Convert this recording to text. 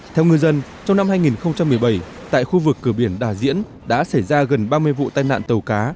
theo ngư dân trong năm hai nghìn một mươi bảy tại khu vực cửa biển đà diễn đã xảy ra gần ba mươi vụ tai nạn tàu cá